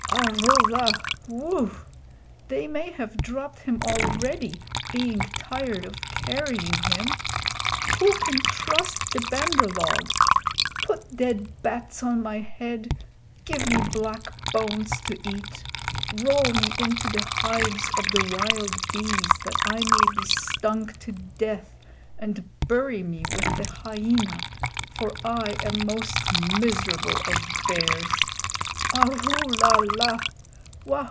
"Arrula! Whoo! They may have dropped him already, being tired of carrying him. Who can trust the Bandar log? Put dead bats on my head! Give me black bones to eat! Roll me into the hives of the wild bees that I may be stung to death, and bury me with the Hyaena, for I am most miserable of bears! Arulala!